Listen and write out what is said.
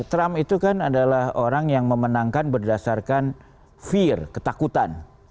trump itu kan adalah orang yang memenangkan berdasarkan fear ketakutan